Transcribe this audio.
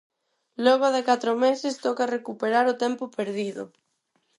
Logo de catro meses, toca recuperar o tempo perdido.